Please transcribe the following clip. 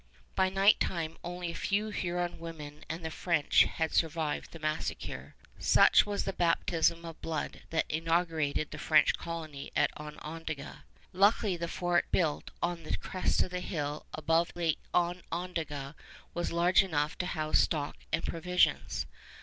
By night time only a few Huron women and the French had survived the massacre. Such was the baptism of blood that inaugurated the French colony at Onondaga. Luckily the fort built on the crest of the hill above Lake Onondaga was large enough to house stock and provisions.